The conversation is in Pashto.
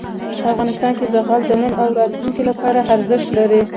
افغانستان کې زغال د نن او راتلونکي لپاره ارزښت لري.